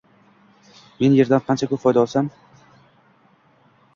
men yerdan qancha ko‘p foyda olsam